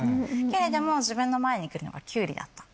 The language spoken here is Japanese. けれども自分の前に来るのはきゅうりだった。